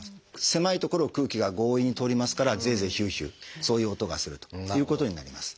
狭い所を空気が強引に通りますからゼーゼーヒューヒューそういう音がするということになります。